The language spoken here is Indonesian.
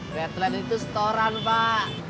deadline itu setoran pak